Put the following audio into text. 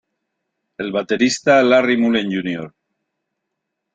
El baterista Larry Mullen Jr.